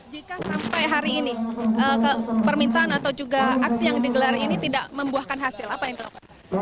jika sampai hari ini permintaan atau juga aksi yang digelar ini tidak membuahkan hasil apa yang dilakukan